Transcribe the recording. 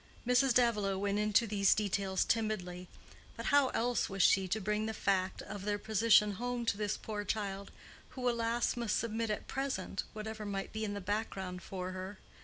Mrs. Davilow went into these details timidly: but how else was she to bring the fact of their position home to this poor child who, alas! must submit at present, whatever might be in the background for her?